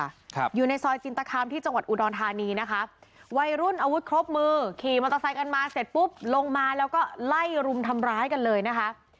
ครับอยู่ในซอยจินตคามที่จังหวัดอุดรธานีนะคะวัยรุ่นอาวุธครบมือขี่มอเตอร์ไซค์กันมาเสร็จปุ๊บลงมาแล้วก็ไล่รุมทำร้ายกันเลยนะคะ